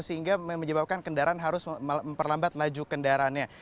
sehingga menyebabkan kendaraan harus memperlambat laju kendaraannya